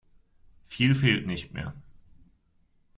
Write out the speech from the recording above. Viel fehlt nicht mehr.